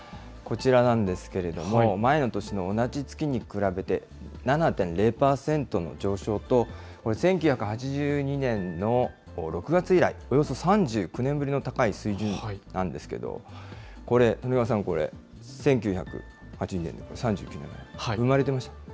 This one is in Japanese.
こちらなんですけれども、前の年の同じ月に比べて、７．０％の上昇と、これ、１９８２年の６月以来、およそ３９年ぶりの高い水準なんですけど、これ、利根川さん、１９８０年３月ぐらい、生まれてました？